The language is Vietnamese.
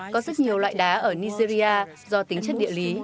có rất nhiều loại đá ở nigeria do tính chất địa lý